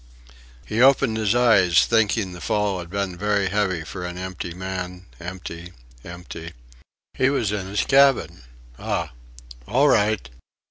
He opened his eyes, thinking the fall had been very heavy for an empty man empty empty. He was in his cabin. Ah! All right!